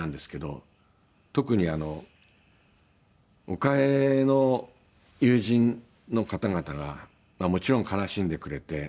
特に岡江の友人の方々がもちろん悲しんでくれて。